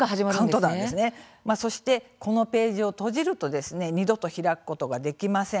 そして、このページを閉じると二度と開くことができません。